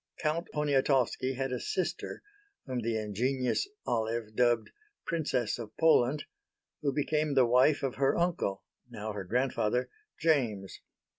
Count Poniatowski had a sister whom the ingenious Olive dubbed "Princess of Poland" who became the wife of her uncle (now her grandfather) James.